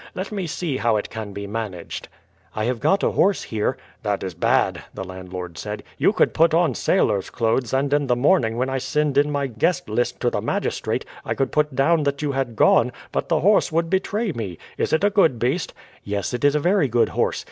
Let me see how it can be managed." "I have got a horse here." "That is bad," the landlord said. "You could put on sailor's clothes, and in the morning when I send in my guest list to the magistrate, I could put down that you had gone, but the horse would betray me. Is it a good beast?" "Yes, it is a very good horse.